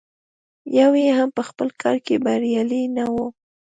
یو یې هم په خپل کار کې بریالی نه و.